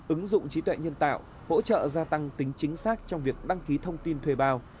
ứng dụng trí tuệ nhân tạo hỗ trợ gia tăng tính chính xác trong việc đăng ký thông tin thuê bao